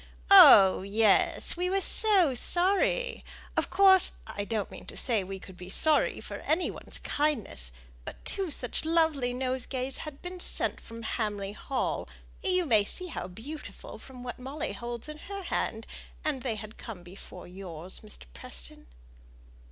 "Oh, yes, we were so sorry! Of course, I don't mean to say we could be sorry for any one's kindness; but two such lovely nosegays had been sent from Hamley Hall you may see how beautiful from what Molly holds in her hand and they had come before yours, Mr. Preston."